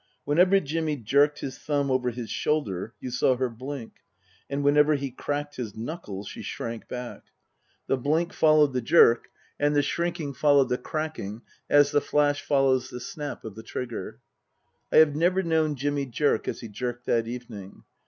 Whenever Jimmy jerked his thumb over his shoulder you saw her blink ; and when ever he cracked his knuckles she shrank back. The blink Book II : Her Book 205 followed the jerk, and the shrinking followed the cracking as the flash follows the snap of the trigger. I have never known Jimmy jerk as he jerked that evening.